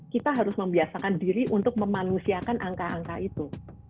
kita harus membiasakan diri untuk memanusiakan angka angka itu